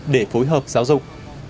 để phối hợp giáo dục